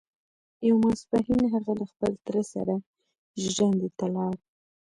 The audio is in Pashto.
يو ماسپښين هغه له خپل تره سره ژرندې ته لاړ.